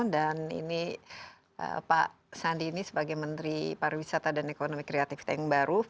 dan ini pak sandi ini sebagai menteri pariwisata dan ekonomi kreatif yang baru